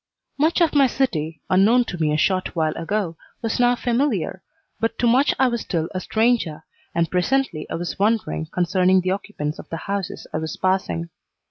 Much of my city, unknown to me a short while ago, was now familiar, but to much I was still a stranger, and presently I was wondering concerning the occupants of the houses I was passing.